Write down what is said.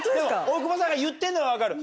大久保さんが言ってるのは分かる。